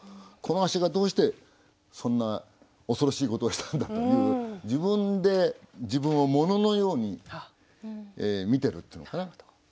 この足がどうしてそんな恐ろしいことをしたんだという自分で自分を物のように見てるっていうのかな。